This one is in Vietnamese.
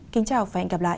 kính chào và hẹn gặp lại